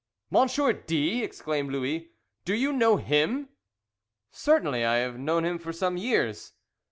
"Monsieur D !" exclaimed Louis. "Do you know him?" "Certainly. I have known him for some years."